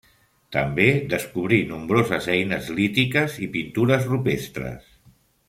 També descobrí nombroses eines lítiques i pintures rupestres.